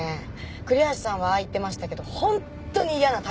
栗橋さんはああ言ってましたけど本当に嫌なた